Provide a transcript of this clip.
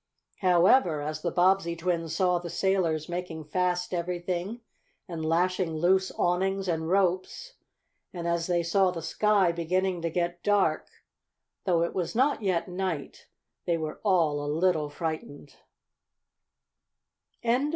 However, as the Bobbsey twins saw the sailors making fast everything, and lashing loose awnings and ropes, and as they saw the sky beginning to get dark, though it was not yet night, they were all a little frightened.